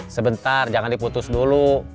sebentar jangan diputus dulu